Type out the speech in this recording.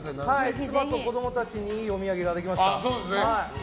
妻と子供たちにいいお土産ができました。